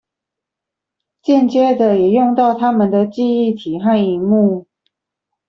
間接地也用到他們的記憶體和螢幕